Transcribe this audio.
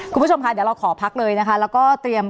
คุณผู้ชมค่ะเดี๋ยวเราขอพักเลยนะคะแล้วก็เตรียม